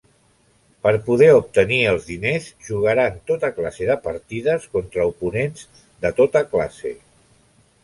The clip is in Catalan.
Per poder obtenir els diners jugaran tota classe de partides contra oponents de tota classe.